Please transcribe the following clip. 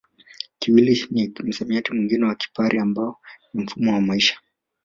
Kiwili ni msamiati mwingine wa Kipare ambao ni mfumo wa maisha